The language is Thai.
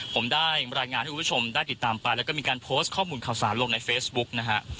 ผมได้รายงานให้คุณผู้ชมได้ติดตามไปแล้วก็มีการโพสต์ข้อมูลข่าวสารลงในเฟซบุ๊กนะฮะ